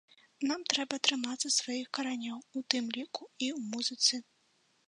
Нам трэба трымацца сваіх каранёў, у тым ліку і ў музыцы!